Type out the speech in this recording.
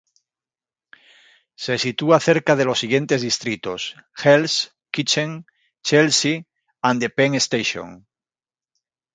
Se sitúa cerca de los siguientes distritos: Hell's Kitchen, Chelsea and the Penn Station.